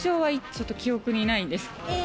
ちょっと記憶にないです。